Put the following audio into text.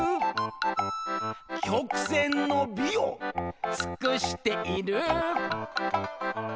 「曲線の美を尽している」